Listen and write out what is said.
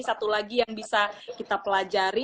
satu lagi yang bisa kita pelajari